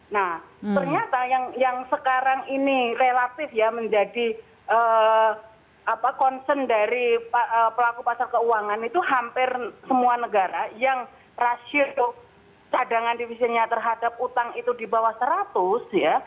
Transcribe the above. nah ternyata yang sekarang ini relatif ya menjadi concern dari pelaku pasar keuangan itu hampir semua negara yang rasio cadangan divisinya terhadap utang itu di bawah seratus ya